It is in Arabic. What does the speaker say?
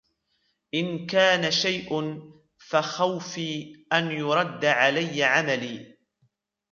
إنْ كَانَ شَيْءٌ فَخَوْفِي أَنْ يُرَدَّ عَلَيَّ عَمَلِي